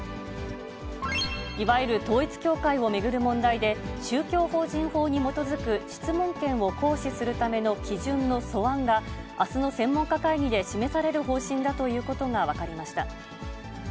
いわゆる統一教会を巡る問題で、宗教法人法に基づく質問権を行使するための基準の素案が、あすの専門家会議で示される方針だということが分かりました。